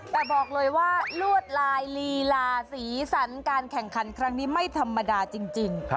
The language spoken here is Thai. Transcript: แต่บอกเลยว่าลวดลายลีลาสีสันการแข่งขันครั้งนี้ไม่ธรรมดาจริง